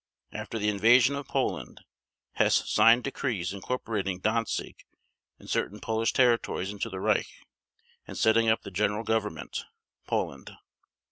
After the invasion of Poland Hess signed decrees incorporating Danzig and certain Polish territories into the Reich, and setting up the General Government (Poland).